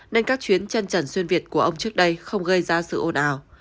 nên các chuyến chân trần xuyên việt của ông trước đây không gây ra sự ồn ào